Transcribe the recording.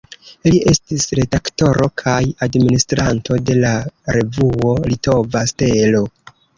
Li estis redaktoro kaj administranto de la revuo "Litova Stelo".